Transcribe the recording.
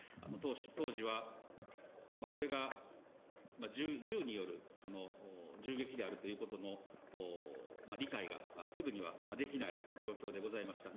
当時はこれが銃による銃撃であるということの理解が、すぐにはできない状況でございました。